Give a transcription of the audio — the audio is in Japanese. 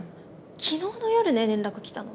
昨日の夜ね連絡来たの！